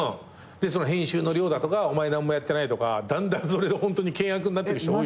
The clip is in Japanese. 編集の量だとかお前何もやってないとかだんだんそれでホントに険悪になってる人多いよね。